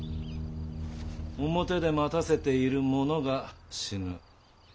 表で待たせている者が死ぬ。